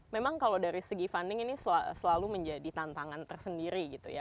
memang kalau dari segi funding ini selalu menjadi tantangan tersendiri gitu ya